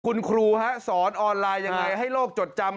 คุณครูสอนออนไลน์ยังไงให้โลกจดจำ